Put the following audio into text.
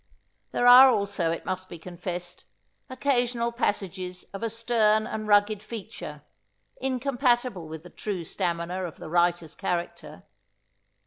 There are also, it must be confessed, occasional passages of a stern and rugged feature, incompatible with the true stamina of the writer's character.